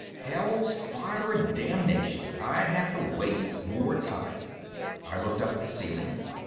Hell's fire and damnation! I'd have to waste more time. I looked up at the ceiling.